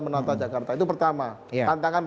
menata jakarta itu pertama tantangan